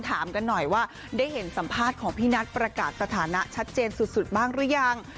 ถามกันหน่อยว่าได้เห็นสัมภาษณ์ของพี่นัทประกาศสถานะชัดเจนสุดบ้างหรือยัง